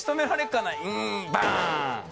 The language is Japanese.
「うーん。バーン！」。